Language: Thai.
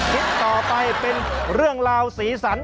คลิปต่อไปเป็นเรื่องราวสีสัน